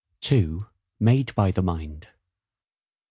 2. Made by the Mind.